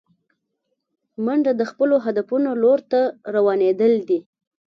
منډه د خپلو هدفونو لور ته روانېدل دي